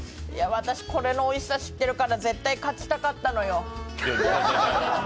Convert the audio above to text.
私、これのおいしさ知ってるから絶対勝ちたかったのよ。